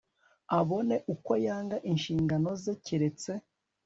abone uko yanga inshingano ze keretse